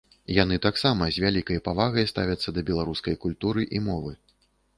Яны таксама з вялікай павагай ставяцца да беларускай культуры і мовы.